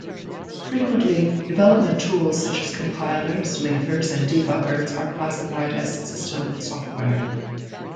Frequently development tools such as compilers, linkers, and debuggers are classified as system software.